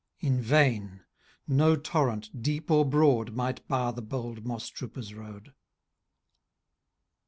In vain ! no torrent, deep or broad. Might bar the bold moss trooper's road.